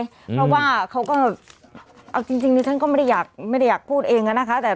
เพราะว่าเขาก็เอาจริงดิฉันก็ไม่ได้อยากพูดเองอะนะคะ